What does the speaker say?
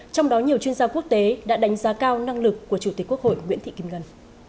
trong đó nhiều chuyên gia quốc tế đã đánh giá cao năng lực của chủ tịch quốc hội nguyễn thị kim ngân